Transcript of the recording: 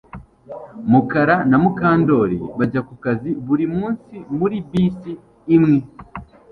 Mukara na Mukandoli bajya kukazi burimunsi muri bisi imwe